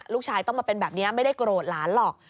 ลูกชายต้องมาเป็นแบบนี้ไม่ได้โกรธหลานหรอก